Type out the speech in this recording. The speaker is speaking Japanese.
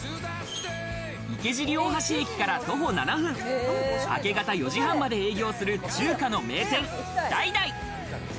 池尻大橋駅から徒歩７分、明け方４時半まで営業する中華の名店、橙。